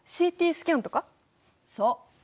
そう。